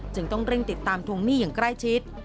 จึงต้องเร่งติดตามทวงหนี้อย่างใกล้ชิด